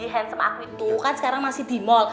handphone aku itu kan sekarang masih di mall